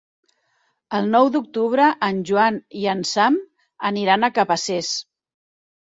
El nou d'octubre en Joan i en Sam aniran a Cabacés.